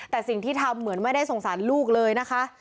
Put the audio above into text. แต่สิ่งที่ทำเหมือนไม่ได้สงสารลูกเลยนะคะ